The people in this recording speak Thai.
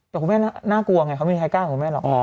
แต่คุณแม่น่ากลัวไงเขาไม่มีใครกล้ากับคุณแม่หรอก